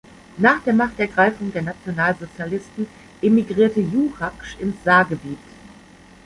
Nach der Machtergreifung der Nationalsozialisten emigrierte Juchacz ins Saargebiet.